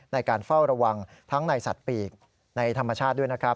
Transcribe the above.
ในการเฝ้าระวังทั้งในสัตว์ปีกในธรรมชาติด้วยนะครับ